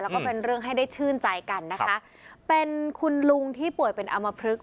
แล้วก็เป็นเรื่องให้ได้ชื่นใจกันนะคะเป็นคุณลุงที่ป่วยเป็นอมพลึก